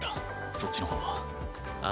そっちの方はあ